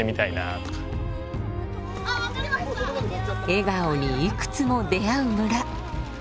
笑顔にいくつも出会う村。